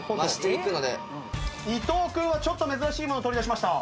伊藤君はちょっと珍しいもの取り出しました。